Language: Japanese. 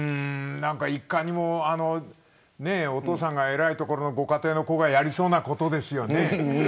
いかにも、お父さんが偉いところのご家庭の子がやりそうなことですよね。